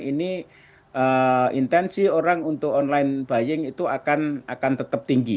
ini intensi orang untuk online buying itu akan tetap tinggi